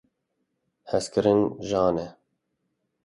Hezkirin jan e.